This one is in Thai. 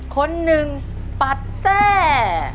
คนหนึ่งปัดแทร่